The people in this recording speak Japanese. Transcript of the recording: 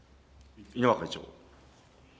稲葉会長。